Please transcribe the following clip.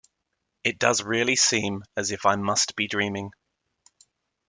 It does really seem as if I must be dreaming.